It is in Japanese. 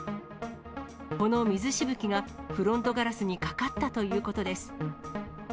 この水しぶきが、フロントガラスにかかったということです。